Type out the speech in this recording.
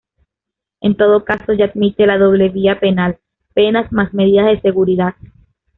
En todo caso, ya admite la doble vía penal: penas más medidas de seguridad.